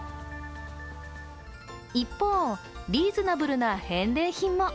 一方、リーズナブルな返礼品も。